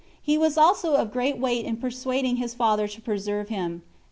He was also of great weight in persuading his father to preserve him.